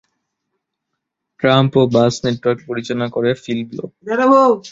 Tram ও bus network পরিচালনা করে ফিল ব্লো।